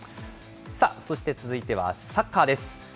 そして続いてはサッカーです。